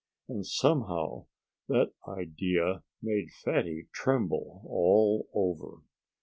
And somehow, that idea made Fatty tremble all over.